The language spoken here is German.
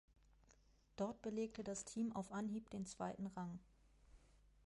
Dort belegte das Team auf Anhieb den zweiten Rang.